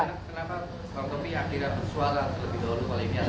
kenapa pak taufik yang akhirnya persoalan lebih dulu kali ini